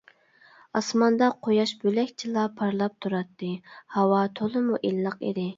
ئاسماندا قۇياش بۆلەكچىلا پارلاپ تۇراتتى، ھاۋا تولىمۇ ئىللىق ئىدى.